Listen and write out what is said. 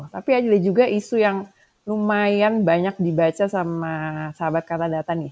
tapi ada juga isu yang lumayan banyak dibaca sama sahabat kata data nih